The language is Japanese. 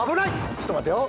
ちょっと待てよ。